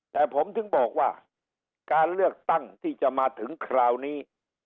แต่ผมถึงบอกว่าการเลือกตั้งที่จะมาถึงคราวนี้